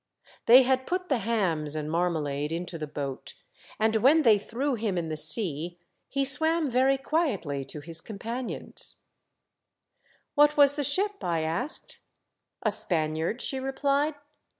They had put the hams and marmalade into the boat, and when they threw him in the sea, lie swam very quietly to his companions." " What was the ship ?" I asked. "A Spaniard," she replied.